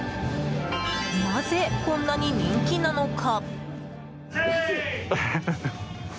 なぜ、こんなに人気なのか？